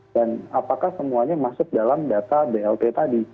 dan apakah semuanya masuk dalam data blt tadi